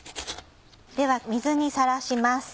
では水にさらします。